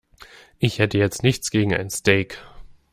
Ich hätte jetzt nichts gegen ein Steak.